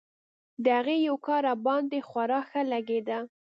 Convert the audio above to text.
د هغې يو کار راباندې خورا ښه لګېده.